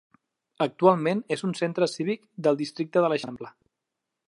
Actualment és un centre cívic del Districte de l'Eixample.